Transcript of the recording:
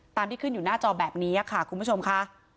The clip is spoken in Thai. ที่ขึ้นอยู่หน้าจอแบบนี้ค่ะคุณผู้ชมค่ะ